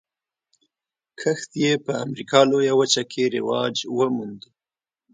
کښت یې په امریکا لویه وچه کې رواج وموند.